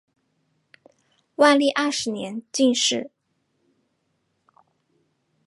万历二十年进士。